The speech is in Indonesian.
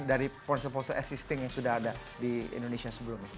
dari ponsel ponsel existing yang sudah ada di indonesia sebelumnya